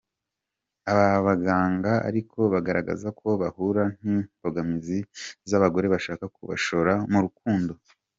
Aba baganga ariko bagaragaza ko bahura n’imbogamizi z’abagore bashaka kubashora mu rukundo.